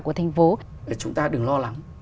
của thành phố chúng ta đừng lo lắng